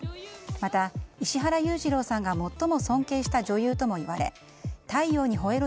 また、石原裕次郎さんが最も尊敬した女優ともいわれ「太陽にほえろ！」